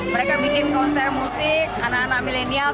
mereka bikin konser musik anak anak milenial